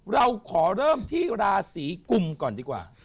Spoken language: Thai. เราขอเริ่มที่ราศีกุมก่อนดีกว่า